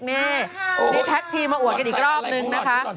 นี่วันนี้แท็กทีมาอวดกันอีกรอบนึงนะคะ